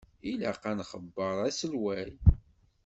Ilaq ad nxebber aselway.